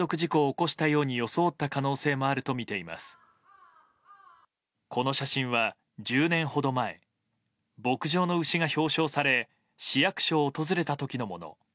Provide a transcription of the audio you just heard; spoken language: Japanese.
この写真は１０年ほど前牧場の牛が表彰され市役所を訪れた時のもの。